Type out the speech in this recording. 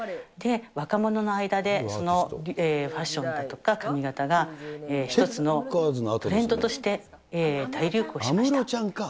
若者の間で、そのファッションだとか髪形が一つのトレンドとして大流行しました。